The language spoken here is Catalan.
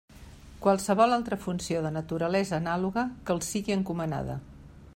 Qualsevol altra funció de naturalesa anàloga que els sigui encomanada.